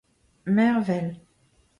mervel